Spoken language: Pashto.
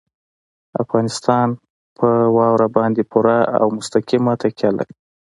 افغانستان په واوره باندې پوره او مستقیمه تکیه لري.